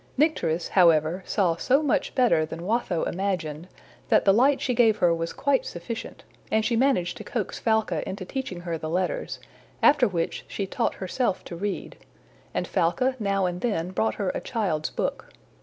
Nycteris, however, saw so much better than Watho imagined, that the light she gave her was quite sufficient, and she managed to coax Falca into teaching her the letters, after which she taught herself to read, and Falca now and then brought her a child's book.